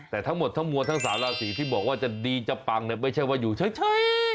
แต่ทั้งหมดทั้งมวลทั้ง๓ราศีที่บอกว่าจะดีจะปังไม่ใช่ว่าอยู่เฉย